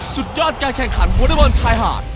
สุดยอดการแข่งขันวอเล็กบอลชายหาด